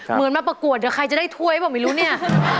เหมือนมาประกวดเดี๋ยวใครจะได้ถ้วยหรือเปล่าไม่รู้เนี่ย